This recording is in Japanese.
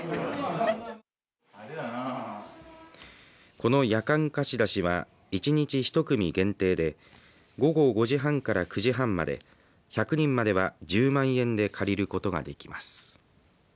この夜間貸し出しは一日１組限定で午後５時半から９時半まで１００人までは１０万円で借りることができます。